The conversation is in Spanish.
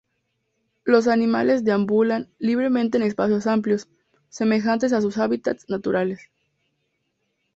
Los animales deambulan libremente en espacios amplios, semejantes a sus hábitats naturales.